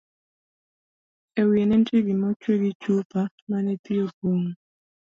e wiye nenitie gima ochwe gi chupa mane pi opong'o